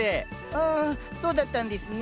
ああそうだったんですね。